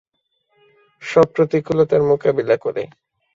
সব প্রতিকূলতার মোকাবিলা করে।